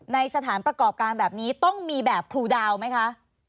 ในสถานประกอบการแบบนี้ต้องมีแบบครูดาวไหมคะ